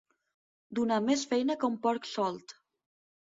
Donar més feina que un porc solt.